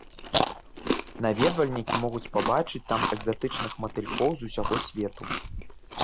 Наведвальнікі могуць пабачыць там экзатычных матылькоў з усяго свету.